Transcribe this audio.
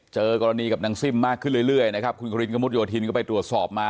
เจอกรณีกับนางซิ่มมากขึ้นเรื่อยนะครับคุณครินกระมุดโยธินก็ไปตรวจสอบมา